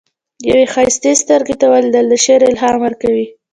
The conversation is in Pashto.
یوې ښایستې سترګې ته لیدل، د شعر الهام ورکوي.